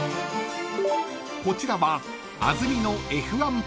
［こちらは］